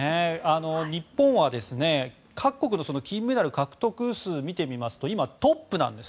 日本は各国の金メダル獲得数を見てみますと今、トップなんです。